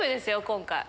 今回。